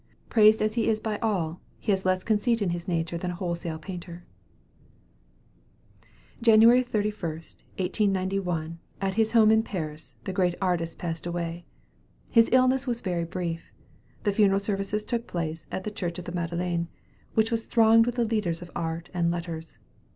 Praised as he is by all, he has less conceit in his nature than a wholesale painter." January 31, 1891, at his home in Paris, the great artist passed away. His illness was very brief. The funeral services took place at the Church of the Madeleine, which was thronged with the leaders of art and letters.